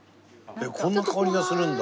えっこんな香りがするんだ。